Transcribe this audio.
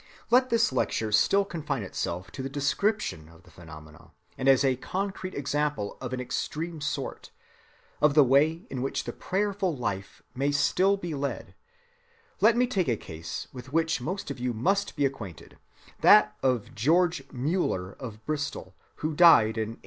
Let this lecture still confine itself to the description of phenomena; and as a concrete example of an extreme sort, of the way in which the prayerful life may still be led, let me take a case with which most of you must be acquainted, that of George Müller of Bristol, who died in 1898.